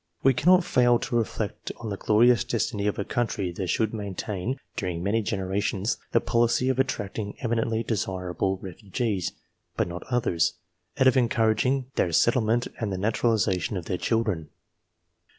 We cannot fail to reflect on the glorious destiny of a country that should maintain, during many generations, the policy of attracting eminently desirable refugees, but no others, and of encouraging their settlement and the naturalization of their children.